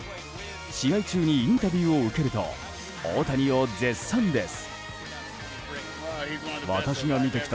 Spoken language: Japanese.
試合中にインタビューを受けると大谷を絶賛です。